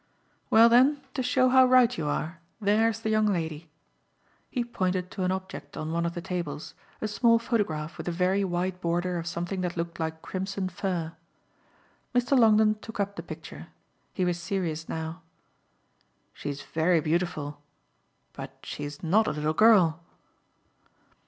"Well then, to show how right you are, there's the young lady." He pointed to an object on one of the tables, a small photograph with a very wide border of something that looked like crimson fur. Mr. Longdon took up the picture; he was serious now. "She's very beautiful but she's not a little girl."